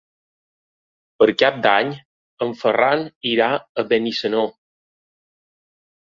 Per Cap d'Any en Ferran irà a Benissanó.